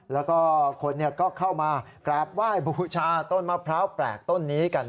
แล้วก็คนก็เข้ามากราบไหว้บูชาต้นมะพร้าวแปลกต้นนี้กัน